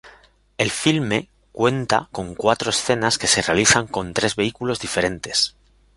El filme cuenta con cuatro escenas que se realizan con tres vehículos diferentes.